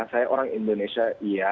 saya orang indonesia iya